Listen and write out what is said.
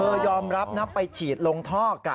ยอมรับนะไปฉีดลงท่อกะ